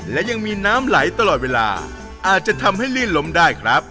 และยังมีน้ำไหลตลอดเวลาอาจจะทำให้ลื่นล้มได้ครับ